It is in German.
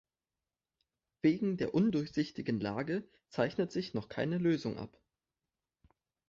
Wegen der undurchsichtigen Lage zeichnet sich noch keine Lösung ab.